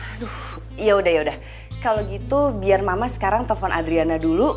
aduh yaudah yaudah kalo gitu biar mama sekarang telfon adriana dulu